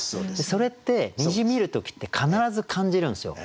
それって虹見る時って必ず感じるんですよ。